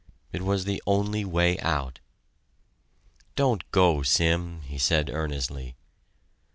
It was the only way out. "Don't go, Sim," he said earnestly.